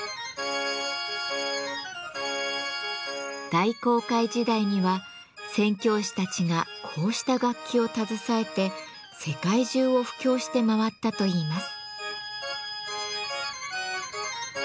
大航海時代には宣教師たちがこうした楽器を携えて世界中を布教して回ったといいます。